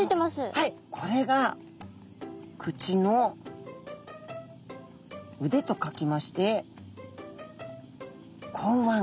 はいこれが口の腕と書きまして口腕。